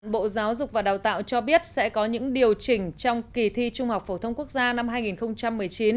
bộ giáo dục và đào tạo cho biết sẽ có những điều chỉnh trong kỳ thi trung học phổ thông quốc gia năm hai nghìn một mươi chín